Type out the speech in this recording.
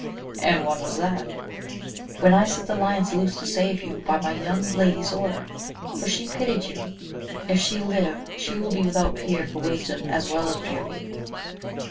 — And when was that ?— When I set the lions loose to save you by my young lady's order; for she pitied you : if she live, she will be without peer for wisdom as well as beauty.